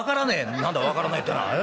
「何だ分からないってのはええ？